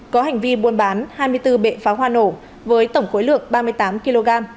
có hành vi buôn bán hai mươi bốn bệ pháo hoa nổ với tổng khối lượng ba mươi tám kg